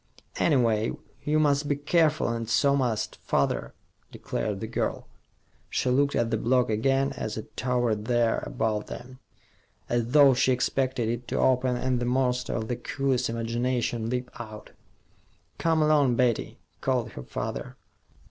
"Anyway, you must be careful, and so must father," declared the girl. She looked at the block again, as it towered there above them, as though she expected it to open and the monster of the coolies' imagination leap out. "Come along, Betty," called her father.